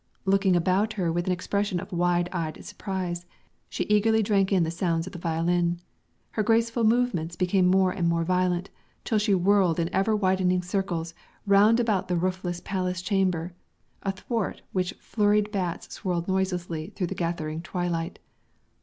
Looking about her with an expression of wide eyed surprise, she eagerly drank in the sounds of the violin; her graceful movements became more and more violent, till she whirled in ever widening circles round about the roofless palace chamber, athwart which flurried bats swirled noiselessly through the gathering twilight.